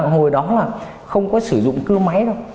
hồi đó là không có sử dụng cưa máy đâu